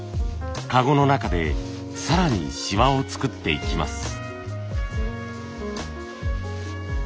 籠の中で更にシワを作っていきます。